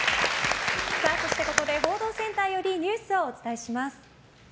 ここで報道センターよりニュースをお伝えします。